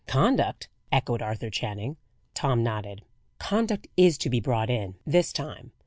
"Conduct?" echoed Arthur Channing. Tom nodded: "Conduct is to be brought in, this time.